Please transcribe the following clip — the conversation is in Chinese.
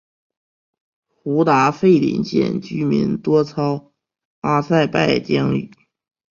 胡达费林县居民多操阿塞拜疆语。